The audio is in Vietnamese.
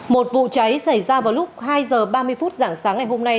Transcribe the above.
một vụ cháy xảy ra vào lúc hai h ba mươi phút dạng sáng ngày hôm nay